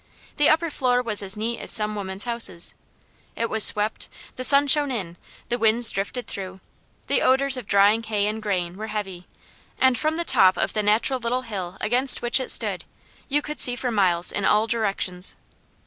The upper floor was as neat as some women's houses. It was swept, the sun shone in, the winds drifted through, the odours of drying hay and grain were heavy, and from the top of the natural little hill against which it stood you could see for miles in all directions.